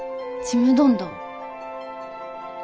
ちむどんどん？